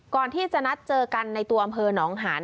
ก่อนที่จะนัดเจอกันในตัวอำเภอหนองหาน